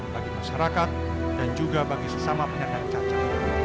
bagi masyarakat dan juga bagi sesama penyandang cacat